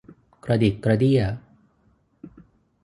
กระดิกกระเดี้ย